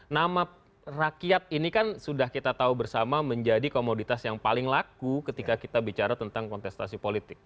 nama rakyat ini kan sudah kita tahu bersama menjadi komoditas yang paling laku ketika kita bicara tentang kontestasi politik